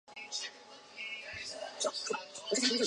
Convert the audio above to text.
血红素能够帮助酶催化其底物分子。